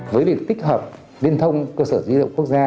với việc tích hợp liên thông cơ sở dữ liệu quốc gia